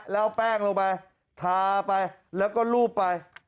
แล้วแป้งลงไปทาไปแล้วก็รูปไป